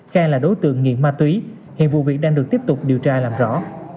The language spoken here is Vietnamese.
khai là đối tượng nghiện ma túy hiện vụ việc đang được tiếp tục điều tra làm rõ